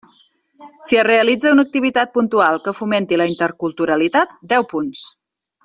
Si es realitza una activitat puntual que fomenti la interculturalitat: deu punts.